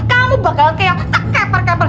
kamu bakalan kayak kepar kepar jumrah